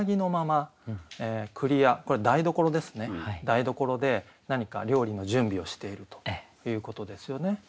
台所で何か料理の準備をしているということですよね。